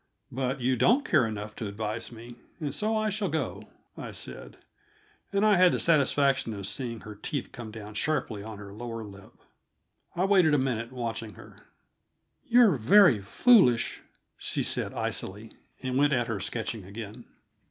"But you don't care enough to advise me, and so I shall go," I said and I had the satisfaction of seeing her teeth come down sharply on her lower lip. I waited a minute, watching her. "You're very foolish," she said icily, and went at her sketching again.